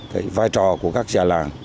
cái vai trò của các già làng